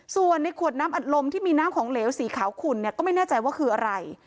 ส่วนในขวดน้ำอัดลมที่มีน้ำของเหลวสีขาวขุ่นเนี่ยก็ไม่แน่ใจว่าคืออะไร